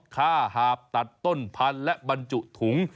ค่าหาบตัดต้นพันธุ์และบรรจุถุง